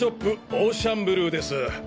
オーシャンブルーです。